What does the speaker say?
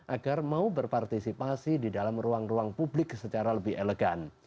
agar mau berpartisipasi di dalam ruang ruang publik secara lebih elegan